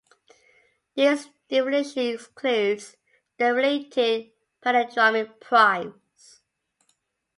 This definition excludes the related palindromic primes.